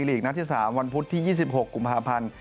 ลีกนัดที่๓วันพุธที่๒๖กุมภาพันธ์